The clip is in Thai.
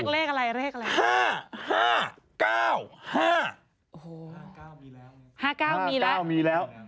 เลขอะไรจอดห้าห้าเก้าห้าโอ้โฮห้าเก้ามีแล้ว